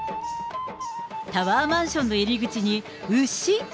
タワーマンションの入り口に、牛。